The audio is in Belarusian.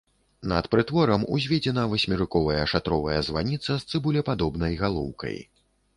Над прытворам узведзена васьмерыковая шатровая званіца з цыбулепадобнай галоўкай.